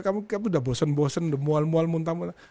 kamu udah bosen bosen udah mual mual muntah mual